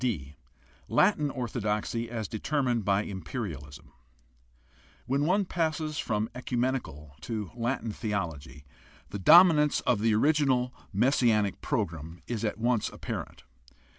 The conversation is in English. d) Latin orthodoxy as determined by imperalism.— When one passes from ecumenical to Latin theology, the dominance THE HISTORICAL STUDY OF RELIGION 65 of the original messianic program is at once apparent.